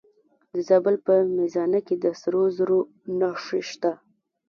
د زابل په میزانه کې د سرو زرو نښې شته.